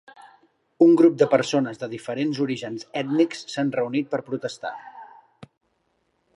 Un grup de persones de diferents orígens ètnics s'han reunit per protestar.